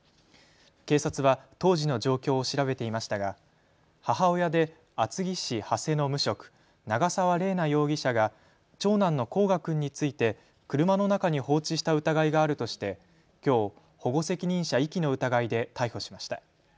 警察は当時の状況を調べていましたが母親で厚木市長谷の無職、長澤麗奈容疑者が長男の煌翔君について車の中に放置した疑いがあるとしてきょう保護責任者遺棄の疑いで逮捕しました。